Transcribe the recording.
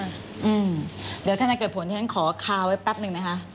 อืมเดี๋ยวท่านให้เกิดผลท่านขอคาไว้แป๊บนึงนะคะ